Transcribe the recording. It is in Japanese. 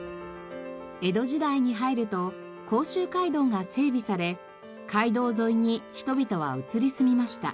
江戸時代に入ると甲州街道が整備され街道沿いに人々は移り住みました。